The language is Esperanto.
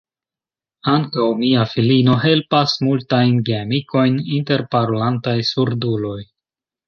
Ankaŭ mia filino helpas multajn geamikojn inter parolantaj surduloj.